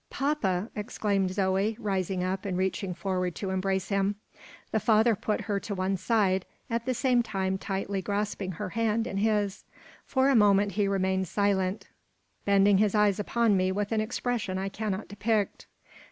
"Papa!" exclaimed Zoe, rising up and reaching forward to embrace him. The father put her to one side, at the same time tightly grasping her hand in his. For a moment he remained silent, bending his eyes upon me with an expression I cannot depict.